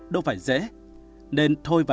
đâu phải dễ nên thôi vậy